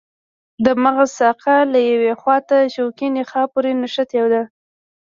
د مغز ساقه له یوې خواته شوکي نخاع پورې نښتې ده.